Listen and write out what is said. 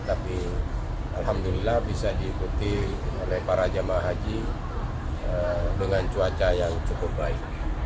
tapi alhamdulillah bisa diikuti oleh para jemaah haji dengan cuaca yang cukup baik